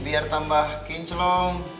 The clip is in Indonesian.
biar tambah kinclong